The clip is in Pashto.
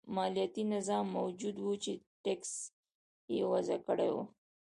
مالیاتي نظام موجود و چې ټکس یې وضعه کړی و.